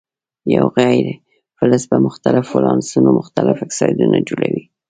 یو غیر فلز په مختلفو ولانسو مختلف اکسایدونه جوړوي.